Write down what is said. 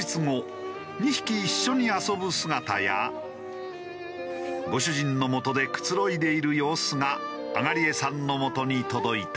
２匹一緒に遊ぶ姿やご主人のもとでくつろいでいる様子が東江さんのもとに届いた。